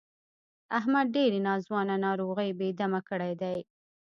احمد ډېرې ناځوانه ناروغۍ بې دمه کړی دی.